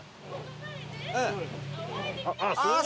ああ